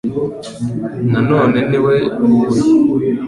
Na none ni we w'uyu